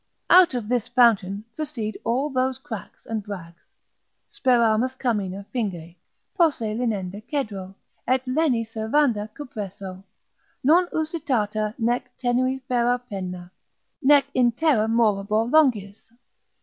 Out of this fountain proceed all those cracks and brags,—speramus carmina fingi Posse linenda cedro, et leni servanda cupresso—Non usitata nec tenui ferar penna.—nec in terra morabor longius.